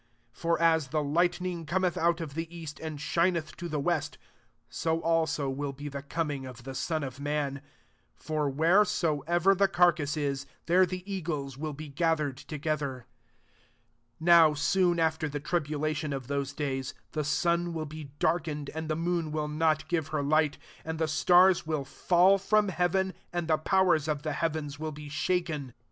For as the lightning cometh of the east, and shineth to west i so [also] will be the coi ingof the Son of man. 28 [F< wheresoever the carcase is, th< the eagles will be gathered gether. 29 Now, soon after the tiil lation of those days, the sun be darkened, and the mooa wi not give her light, and the s\ will fall from heaven, and powers of the heavens will shaken.